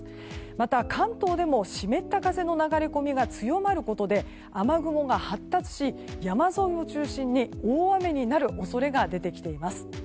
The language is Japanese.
また、関東でも湿った風の流れ込みが強まることで雨雲が発達し山沿いを中心に大雨になる恐れが出てきています。